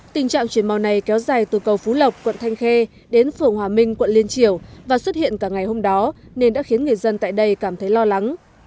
tình trạng chuyển màu này kéo dài từ cầu phú lộc quận thanh khê đến phường hòa minh quận liên triều và xuất hiện cả ngày hôm đó nên đã khiến người dân tại đây cảm thấy lo lắng